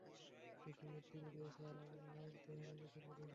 বিষয় এদ্দুর গড়িয়েছে, আর আমরা মেয়ের চেহারা পর্যন্ত দেখি নাই।